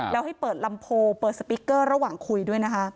แล้วให้เปิดลำโพเปิดสปิกเกอร์ระหว่างคุยด้วยนะคะ